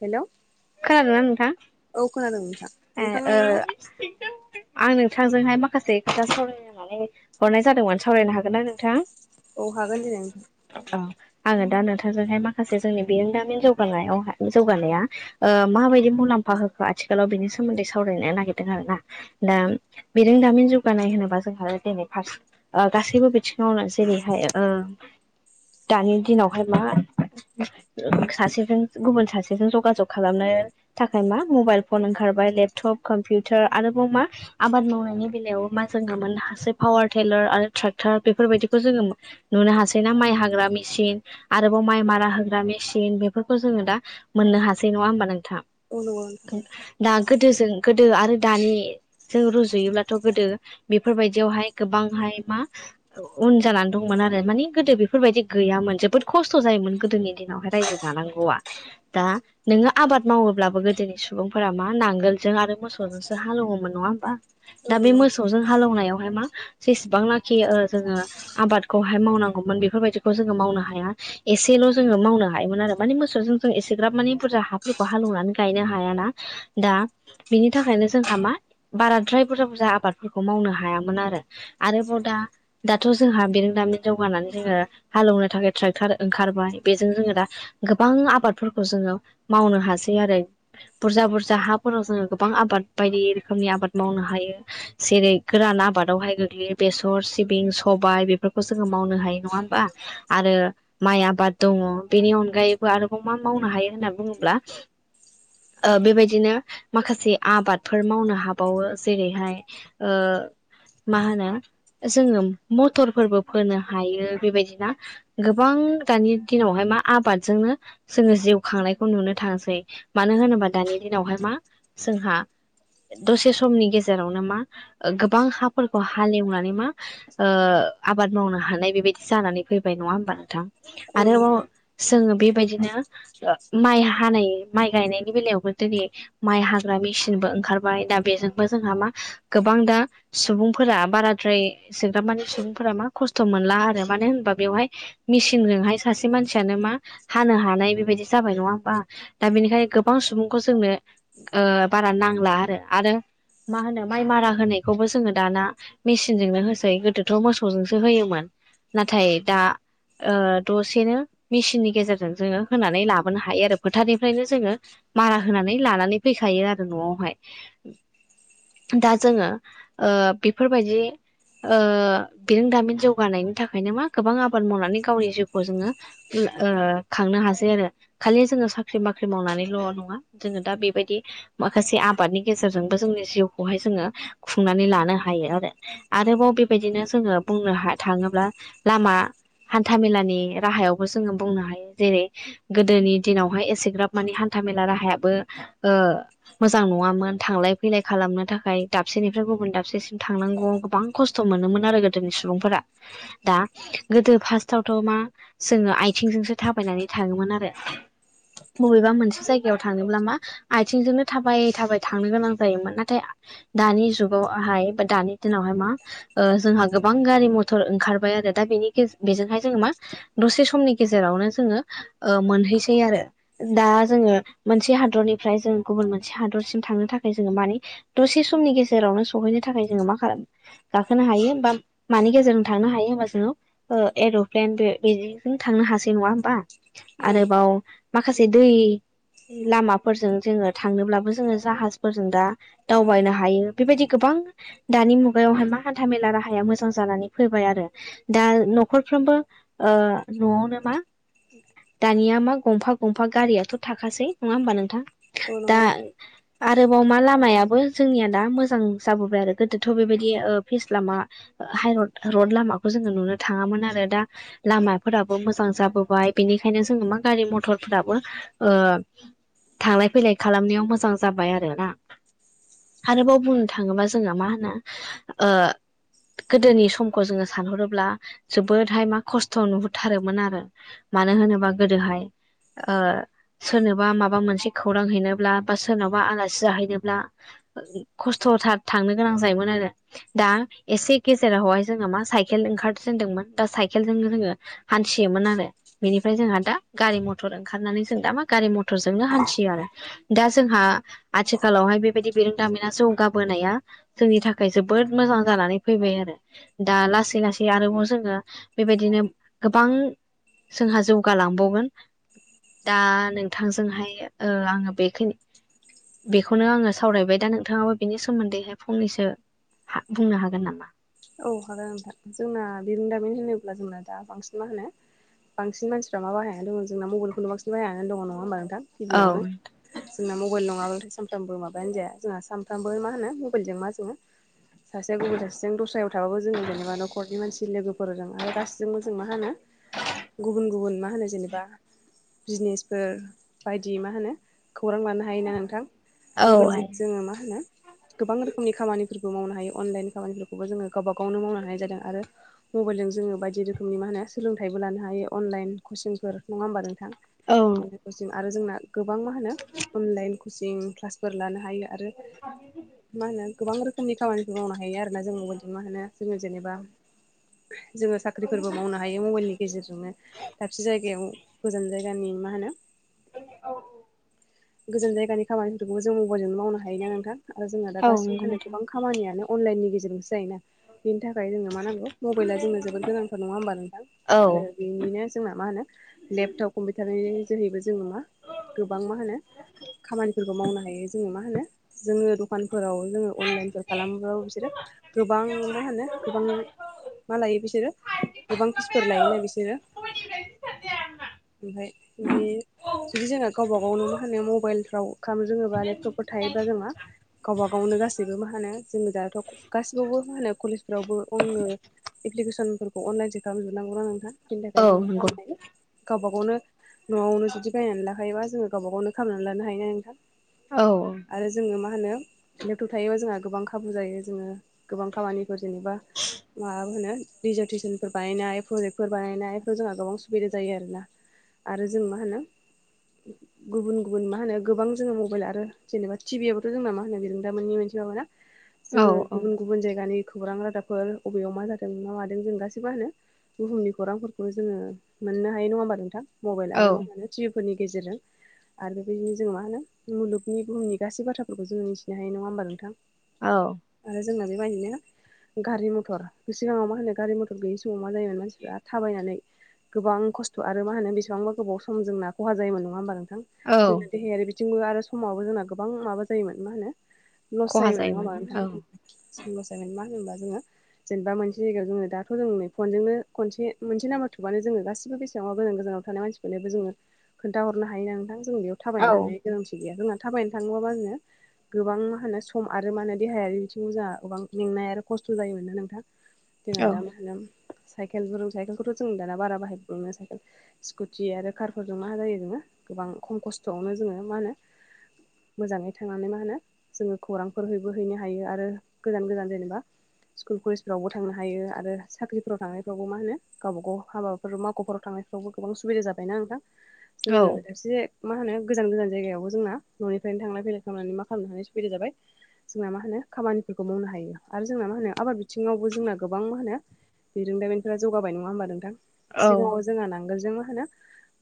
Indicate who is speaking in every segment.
Speaker 1: Hello
Speaker 2: खोनादोना
Speaker 1: औ खोनादों
Speaker 2: नोंथां ए
Speaker 1: नोंथाङा
Speaker 2: ओ आं नों थांजोंहाय माखासे खोथा सावरायनोनानै हरनाय जादोंमोन सावरायनो हागोन ना नोंथां?
Speaker 1: औ हागोन दिनै
Speaker 2: औ आङो दा नोंथांजोंहाय माखासे जोंनि बिरोंदामिन जौगानायावहाय जौगानाया ओ माबायदि मुलाम्फा होखो आथिखालाव बिनि सोमोन्दै सावरायनो नागिरदों आरो ना दा बिरो रोंदामिन जौगानाय होनोबा जोंहा दिनै फारसे ओ गासैबो बिथिङावनो जेरैहाय ओ दानि दिनावहाय मा सासेजों गुबुन सासेजों जगाजग खालामनो थाखाय मा मबाइल फन ओंखारबाय लेपटप, कम्पिउटार आरोबाव मा आबाद मावनाय नि बेलायाव मा जोङो मोननो हासै पावार टेलार आरो ट्रेक्टर बेफोरबायदिखौ जोङो नुनो हासै ना? माइ हाग्रा मेचिन आरोबाव माइ मारा होग्रा मेचिन बेफोरखौ जोङो दा मोननो हा सै नङा होमबा नोंथां
Speaker 1: औ नंगौ नोंथां
Speaker 2: दा गोदोजों गोदो आरो दानिजों रुजुयोब्लाथ' जों गोदो बेफोरबायदियावहाय गोबांहाय मा औव उन जानानै दंमोन आरो माने गोदो बेफोरबायदि गैयामोन जोबोद खस्थ जायोमोन गोदोनि नि दिनावहाय रायजो जानांगौआ दा नोङो आबाद मावोब्लाबो गोदोनि सुबुंफोरा मा नांगोलजों आरो मोसौजोंसो हालेवोमोन नङा होमबा। दा
Speaker 1: औ
Speaker 2: बे
Speaker 1: नंगौ
Speaker 2: मोसौजों हालौवनायाव हाय मा जेसेबांनाखि जोङो आबादखौहाय मावनांगौमोन बेफोरबायदिखौ जोङो मावनो हाया। एसेल' जोङो मावनो हायोमोन आरो माने मोसौजों जों एसेग्राब माने बुरजा हाफोरखौ हालेवनानै गायनो हायाना दा बिनि थाखायनो जोंहा मा बाराद्राय बुरजा बुरजा आबादफोरखौ मावनो हायामोन आरो आरोबाव दा दाथ' जोंहा बेरोंदामिन जौगानानै जोङो हालेवनो थाखाय ट्रेक्टार ओंखारबाय बेजों जोङो दा गोबां आबादफोरखौ जोङो मावनो हासै आरो बुरजा बुरजा हाफोराव जोङो गोबां आबाद बायदि रोखोमनि आबाद मावनो हा यो जेरै गोरान आबादावहाय गोग्लैयो बेसर सिबिं सबाय बेफोरखौ जोङो मावनो हायो। नङा होनबा आरो माइ आबाद दङ बेनि अनगायैबो आरोबाव मा मावनो हायो होनना बुङो ब्ला ओ बेबायदिनो माखासे आबादफोर मावनो हाबावो जेरैहाय ओ मा होनो जोङो मटरफोरबो फोनो हायो बेबायदिना गोबां दानि दिनावहाय मा आबादजोंनो जोङो जिउ खांनायखौनो नुनो थांसै मानो होनोबा दानि दिनावहाय मा जोंहा दसे समनि गेजेरावनो मा गोबां हाफोरखौ हालेवनानै मा ओ ओ आबाद मावनो हानाय बेबायदि जानानै फैबाय नङा होमबा नोंथां।
Speaker 1: औ नंगौ
Speaker 2: आरोबाव जोङो बेबायदिनो ओ माइ हानाय माइ गायनायनि बेलायावबो दिनै माइ हाग्रा मेचिनबो ओंखारबाय दा बेजोंबो जोंहा मा गोबां दा सुबुंफोरा बाराद्राय जोग्रामानि सुबुंफोरा मा खस्थ' मोन ला आरो मानो होनबा बेहाय मचिनजोंहाय सासे मानसियानो मा हानो हानाय बेबायदि जाबाय नङा होमबा दा बेनिखायनो गोबां सुबुंखौ जोंनो ओ बारा नांला आरो आरो मा होनो माइ मारा होनायखौबो जोङो दाना मेचिनजोंनो होसै गोदोथ' मोसौजोंसो होयोमोन। नाथाय दा ओ दसेनो मेसिननि गेजेरजों जोङो होनानै लाबो नो हायो आरो फोथारनिफ्रायनो जोङो मारा होनानै लानानै फैखायो आरो न'आवहाय। दा जोङो ओ बेफोरबायदि ओ बिरोंदामिन जौगानायनि थाखायनो मा गोबां आबाद मावनानै गावनि जिउखौ जोङो खांनो हासै आरो। खालि जोङो साख्रि बाख्रि मावनानैल' नङा जोङो दा बेबायदि माखासे आबादनि गेजेरजोंबो जों जिउखौहाय जोङो खुंनानै लानो हायो आरो आरोबाव बेबायदिनो जोङो बुंनो थाङो ब्ला लामा हान्था मेलानि राहायावबो जोङो बुंनो हायो जेरै गोदोनि दिनावहाय एसेग्राब माने हान्था मेला राहायाबो ओ मोजां नङामोन थांलाय फैलाय खालामनो थाखाय दाबसेनिफ्राय गुबुन दाबसेसिम थांनांगौआव गोबां खस्थ' मोनोमोन आरो गोदोनि सुबुंफोरा दा गोदो फार्स्टआवथ' मा जोङो आथिंजोंसो थाबायनानै थाङोमोन आरो। [unintelligible] बबेबा मोनसे जायगायाव थांनोब्ला मा आथिंजोंनो थाबाय थाबाय थांनो गोनां जायोमोन नाथाय दानि जुगावहाय बा दानि दिनावहाय मा जोंहा गोबां गारि मथर ओंखारबाय आरो। दा बेनि गेजेर बेजोंहाय मा दसेनि गेरावनो जोंङो ओ मोन हैयो आरो दा जोङो मोनसे हादरनिफ्राय जों गुबुन मोनसे हादरसिम थांनो थाखाय जोङो माने दसे समनि गेजेरावनो सहैनो थाखाय जोङो मा खालाम गाखोनो हायो बा मानि गेजेरजों थांनो ' थांनो हायो होनबा जेरै एर'प्लेन बेजोंनो थांनो हासै नङा
Speaker 1: औ
Speaker 2: होनबा माखासे दै लामाफोरजों जोङो थांनोब्लाबो जोङो जाहाजफोरजों दा दावबायनो हायो बेबायदि गोबां गोबां दानि मुगायावहाय मा हान्था मेला राहाया मोजां जानानै फैबाय आरो दा न'खोरफ्रोम बो ओ नआवनो मा दानिया मा गंफा गंफा गारियावथ' थाखासै नङा होमबा नोंथां
Speaker 1: औ
Speaker 2: दा
Speaker 1: नंगौ
Speaker 2: आरोबाव मा लामायाबो जोंनिया दा मोजां जाबोबाय आरो गोदोथ' बेबायदि फिस लामा हाइरड रड लामाखौ जोङो नुनो थाङामोन आरो दा लामाफोराबो मोजां जाबोबाय बिनि बेखायनो जोङो मा गारि मथरफोराबो ओ थांलाय फैलाय खालामनायाव मोजां जाबाय आरो ना आरोबाव बुंनो थाङोबा जोङो मा होनो गोदोनि समखौ जोङो सानहरोब्ला जोबोदहाय मा खस्थ' नुहुरथारोमोन आरो मानो होनोबा गोदोहाय ओ सोरनोबा माबा मोनसे खौरां हैैनोब्ला बा सोरनावबा आलासि जाहैनोब्ला ओ खस्थ'थार थांनो गोनां जायोमोन आरो दा एसे गेजेरावहाय जोङो मा साइकेल ओंखारजेनदोंमोन दा साइकेलजोंनो जोङो हान्थियोमोन आरो बेनिफ्राय जों दा गारि मथर ओंखारनानै जों दा मा गारि मथरजोंनो हान्थियो आरो दा जोंहा आथिखाालावहाय बेबायदि बिरोंदामिना जौगाबोनाया जोंनि थाखाय जोबोद मोजां जानानै फैबाय आरो दा ला सै लासै आरोबाव जोङो बेबायदिनो गोबां जोंहा जौ जौगालांबावगोन दा नोंथांजोंहाय ओ आङो बेखिनि बेखौनो आङो सावरायबाय दा नोंथाङाबो बिनि सोमोन्दैहाय फंनैसो हा बुंनो हागोन नामा?
Speaker 1: औ हागो नोंथां जोंना बिरोंदामिन होनोब्ला जोंना दा बांसिन मा होनो बांसिन मानसिफोरा मा बाहायाया दङ जोंना मबाइलखौनो बांसिन बाहायानानै दङ नङा होमबा गिबियावनो
Speaker 2: औ
Speaker 1: जोंना मबाल माबा सानफ्रामबो माबायानो जाया जोंहा सानफ्रामबो मा होनो मबाइलजों मा जोङो सासेया गुबुन सासेजों दस्रायाव थाबो जोङो जेनेबा न'खरनि मानसि लोगो फोरजों आरो गासिबो जों मा होनो गुबुन गुबुन मा होनो जेनेबा बिजनेसफोर बायदि मा होनो खौरां लानो हायोना नोंथां
Speaker 2: औ हायो
Speaker 1: मबाइलजों जोङो मा होनो गोबां रोखोमनि खामानिफोरखौ मावनो हायो अनलाइन खामानिफोरखौ गावबा गावनो मावनो हानाय जादों आरो मबाइलजों जोङो बायदि रोखोमनि मा होनो सोलोंथाइबो लानो हायो अनलाइन अनलाइन कचिंफोर नङा होमबा नोंथां?
Speaker 2: औ
Speaker 1: कचिं आरो जोंना गोबां मा होनो अनलाइन कचिं क्लासफोर लानो हायो। आरो मा होनो गोबां रोखोमनि खामानिफोर मावनो हायो आरोना जों मबाइलजों मा होनो जोङो जेनेबा जोङो साख्रिफोरबो मावनो हायो मबाइलनि गेजेरजोंनो दाबसे जायगायाव गोजान जायगानि मा होनो गोजान जायगानि खामानिफोरखोबो जों मबेलजोंनो मावनो हायोना नोंथां आरो जोंहा दा
Speaker 2: औ नंगौ
Speaker 1: गासिबोखौनो
Speaker 2: नोंथां
Speaker 1: गोबां खामानियानो अनलाइननि गेजेरजोंसो जायोना बेनि थाखाय जोंनो मा नांगौ मबाइला जोंनो जोबोद गोनांथार नङा होमबा नोंथां
Speaker 2: औ
Speaker 1: आरो बेनिनो जोंना मा होनो लेपटप कम्पिउटारनि जोहैबो जोंङो गोबां मा होनो खामानिफोरखौ मावनो हायो जोङो मा होनो जोङो दखानफोराव जोङो अनलाइनफोर खालामोबाबो बिसोरो गोबां मा होनो गोबां मा लायो बिसोरो गोबां फिसफोर लायोना बिसोरो
Speaker 2: [inaudible]
Speaker 1: ओमफ्राय बे जु जोंहा गावबा गावनो मा होनो मबाइलफ्राव खालामनो रोङोबा लेपटपफोर थायो जोंङो गावबा गावनो गासैबो मा होनो जोङो दाहाथ' गासिबावबो मा होनो कलेजफ्रावबो आङनो एप्लिकेसनफोरखौ अनलाइनसो खालामजोबनांगौ ना नोंथां बेनि
Speaker 2: औ
Speaker 1: थाखाय जों मा
Speaker 2: नंगौ
Speaker 1: खालामनाय गावबा गावनो न'आवनो जुदि बायनानै लाखायोबा जोङो गावबा गावनो खालामनानै लानो हायो ना नोंथां
Speaker 2: औ
Speaker 1: आरो जोङो मा मा होनो लेपटब थायोबा जोंहा गोबां खाबु जायो जोङो गोबां खामानिफोर जेनेबा माबा होनो डिजारटेसनफोर बानायनाय फ्रजेक्फोर बानायनाय जोंहा गोबां सुबिदा जायो आरोना आरो जों मा होनो गुबुन गुबुन मा होनो गोबां जोङो मबाइल आरो जेनेबा टिभि आवबोथ' जोंना मा होनो बिरोंदामोननि मोनसे माबााना
Speaker 2: औ
Speaker 1: जोङो गुबुन गुबुन जायगानि खौरां रादाबफोर बबेयाव मा जादों मा मादों जों गासैबो मा होनो बुहुमनि खौरांफोरखौ जोङो मोननो हायो नङा होमबा नोंथां मबाइल
Speaker 2: औ
Speaker 1: आरो मा होनो टि भि फोरनि गेजेरजों आरो बेबायदिनो जोङो मा होनो मुलुगनि बुहुमनि गासै बाथ्राफोरखौ जोङो मिथिनो हायो नङा होमबा नोंथां
Speaker 2: औ
Speaker 1: आरो जोंना बेबायदिनो गारि मथर सिगाङाव मा होनो गारि मथर गैयि समाव मा जायोमोन मानसिफ्रा थाबायनानै गोबां खस्थ' आरो मा होनो बेसेबांबा गोबाव सम जोंना खहा जायोमोन नङा होमबा नों
Speaker 2: औ
Speaker 1: जोंना देहायारि बिथिंबो आरो समावबो जोंना गोबां माबा जायोमोन मा होनो लस
Speaker 2: खहा
Speaker 1: जायो मोन नङा
Speaker 2: जायोमोन
Speaker 1: होनबा
Speaker 2: औ
Speaker 1: नोंथां ओम [unintelligible] मा होनोबा जोङो जेनेबा मोनसे जायगायाव जोंङो दाथ' जों नै फनजोंनो खनसे मोनसे नाम्बार थुबआानो जोङो गासिबो बेसेबांबा गोजान गोजान थानाय मानसिखौनोबो जोङो खोनथा हरनो हायो नोंथां जों बेयाव
Speaker 2: औ
Speaker 1: थाबायनानै थांनायनि गोनांथि गैया [unintelligible] थाबायनो थाङोबाबा जङो गोबां मा होनो सम आरो मा होनो देहायारि बि थांजा गोबां मेंनाय आरो खस्थ' जायोमोन ना नोंथां जोंहा
Speaker 2: औ
Speaker 1: दा मा होनो साइकेल गुरुं साइकेलखौथ' जों दाना बारा बाहायो साइकेल स्कुटि आरो कारफोरजों मा जायो जोङो गोबां खम खस्थ'आवनो जोङो मा होनो मोजाङै थांनानै मा होनो जोङो खौरांफोर हैबो हैनो हायो आरो गोजान गोजान जेनेबा स्कुल कलेजफ्रावबो थांनो हायो आरो साख्रिफोराव थांनायफ्रावबो मा होनो गावबा गाव हाबाफोराव मावख'फोराव थांनो नायफ्रावबो गोबां सुबिदा जाबायना नोंथां
Speaker 2: औ
Speaker 1: जोङो एसे मा होनो गोजान गोजान जायगायावबो जोंना न'निफ्रायनो थांलाय फैलाय खालामनानै मा खालामनो हानाय सुबिदा जाबाय जोंना मा होनो खामानिफोरखौ मावनो हायो आरो जोंना मा होनो आबाद बिथिङावबो जोंना गोबां मा होनो बिरोंदामिनफोरा जौगाबाय नङा होमबा नोंथां
Speaker 2: औ
Speaker 1: सिगाङाव जोंहा नां गोलजों मा होनो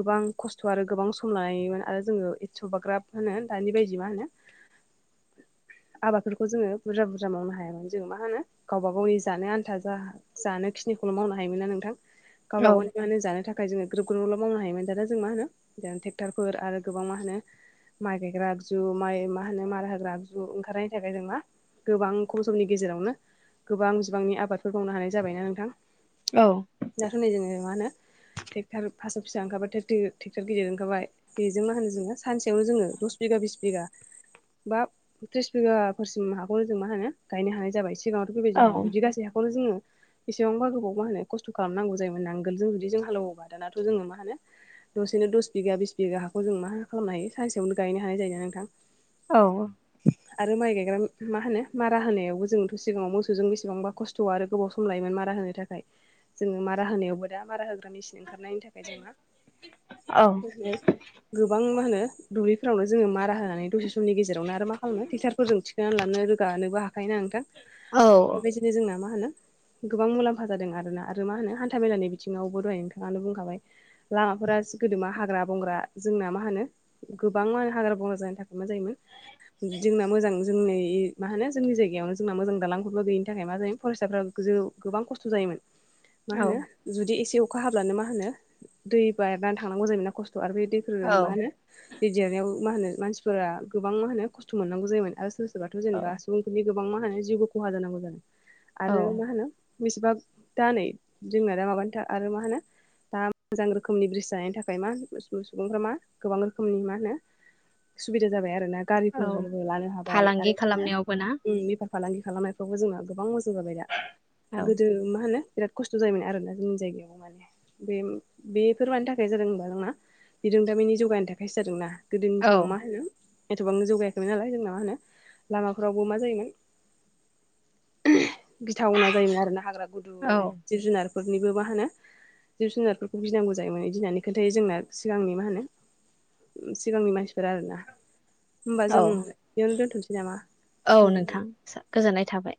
Speaker 1: गोबां खस्थ' आरो गोबां सम लोयोमोन आरो जोङो एस' बाग्राब होनो दानि बायदि मा होनो
Speaker 2: [inaudible]
Speaker 1: आ बाफोर खो जोङो बुरजा बुरजा मावनो हायामोन जोङो मा होनो गावबा गावनि जानो आन्था जानो खिनिखौल' मावनो हायो हायोना नोंथां गावबा गावनि माने जानो थाखाय थाखाय जोङो ग्रोब ग्रोबल' मावनो हायोमोन दाना जों मा होनो ट्रेक्टरफोर आरो गोबां मा होनो माइ गायग्रा आगजु माइ मा होनो मार होग्रा आगजु ओंखारनायनि थाखाय खाय जोंना गोबां खम समनि गेजेरावनो गोबां बिबांनि आबादफोर मावनो हानाय जाबायना नोंथां
Speaker 2: औ
Speaker 1: दाथ' नै जोङो मा होनो
Speaker 2: [inaudible]
Speaker 1: ट्रेक्टार फास फिसा ओंखारबा टेक्टो टेक्टार गिदिर ओंखारबाय बेजों मा होनोङो सानसेयावनो जोङो दस बिघा बिस बिगा बा थिस बिघा हरसिम हाखौनो जों मा होन गायनो हानाय जाबाय सिगाङावथ' बेबायदि
Speaker 2: औ
Speaker 1: हायामोन बिगासे हाखौनो जोङो बेसेबांबा गोबाव मा होनो खस्थ' खालामनांगौ जायोमोन नांगोलजों जुदि जों हालेवबा दानाथ' जोङो मा होनो दसेनो दस बिगा बिस बिगा हाखौ जों मा खालामनो हायो सानसेयावनो गायनो हानाय जायोना नोंथां
Speaker 2: औ
Speaker 1: आरो माय गाय गोन मा होनो मारा होनायावबो जोंथ' सिगाङाव मोस जों बेसेबांबा खस्थ' आरो गोबाव सम लायोमोन मारा होनो थाखाय जोङो मारा होनायावबो दा मारा होगो मेसिन ओंखारनायनि थाखाय जोंना मा होनो गोबां मा होनो दुब्लिफोरावनो जोङो मारा होनानै दसे समनि गेजेरावनो आरो मा खालामो ट्रेक्टारफोरजों [unintelligible] लानो रोगानोबो हाखायो ना नोंथां बेबायदिनो जोंना मा होनो गोबां मुलाम्फा जादों आरो ना आरो मा होनो हान्था मेलानि बिथिङावबो दहाय नोंथाङानो बुंखाबाय लामा फोरा गोदो मा हाग्रा बंग्रा जोंना मा होनो गोबां मा होनो हाग्रा बंग्रा जानायनि थाखाय मा जायोमोन जोंना मोजां जोंनि मा होनो जोंनि जायगायावनो जोंना मोजां दालांफोरबो गैयिनि थाखाय मा जायोमोन फरायसाफ्रा गोबां खस्थ' जायोमोन मा होनो
Speaker 2: औ
Speaker 1: जुदि एसे अखा हाब्लानो मा होनो दै बारनानै थांनांगौ जायोमोन ना खस आरो बे दैफोरजों
Speaker 2: औ
Speaker 1: मा होनो दै देरनायाव मा होनो मानसिफोरा गोबां मा होनो खस्थ' मोननांगौ जायोमोन आरो सोरबा सोरबाथ'
Speaker 2: औ
Speaker 1: जेनेबा सुबुंफोरनि गोबां मा होनो जिउबो खहा जानांगौ जादों
Speaker 2: औ
Speaker 1: आरो मा होनो बेसेबां दा नै जोंना दा माबानो था आरो मा होनो दा मोजां रोखोमनि ब्रिज जानायनि थाखाय मा सुबुं सुबुंफ्रा मा गोबां रोखोमनि मा होनो सुबिदा जाबाय आरो ना
Speaker 2: औ
Speaker 1: गारिफोरबो लानो हाबाय।
Speaker 2: फालांगि
Speaker 1: आरो मा
Speaker 2: खालामनायावबो ना?
Speaker 1: होनो बेफार फालांगि खालामनायफ्रावबो जोंना गोबां मोजां जाबाय दा
Speaker 2: औ
Speaker 1: गोदो मा होनो बिराद खस्थ' जायोमोन आरोना जोंनि जायगायाव माने बे बेफोर मानि थाखाय जादों होनबा जोंना बिरों दामिननि जौगानायनि थाखायसो जादों ना गोदोनि
Speaker 2: औ
Speaker 1: समाव मा होनो एथ'बां जौगायाखैमोन नालाय जोंना मा होनो लामाफोरावबो मा जायोमोन गिथावना जायोमोन आरो ना हाग्रा
Speaker 2: औ
Speaker 1: गुदुनो जिब जुनारफोरनिबो मा होनो जिब जुनारफोरखौ गिनांगौ जायोमोन इदि होननानै खोनथायो जोंना सिगांनि मा होनो सिगांनि मानसिफोर आरो ना होमबा
Speaker 2: औ
Speaker 1: जों बेयावनो दोनथ'नोसै
Speaker 2: औ
Speaker 1: नामा
Speaker 2: नोंथां गोजोननाय थाबाय।